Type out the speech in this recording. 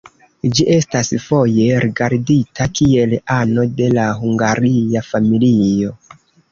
Ĝi estas foje rigardita kiel ano de la Hungaria familio.